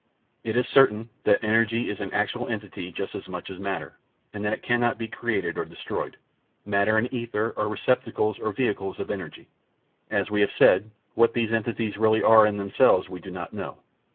It is certain that energy is an actual entity just as much as matter, and that it cannot be created or destroyed. Matter and ether are receptacles or vehicles of energy. As we have said, what these entities really are in themselves we do not know.